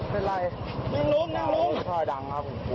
กล้อง